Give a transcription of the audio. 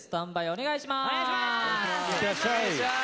お願いします！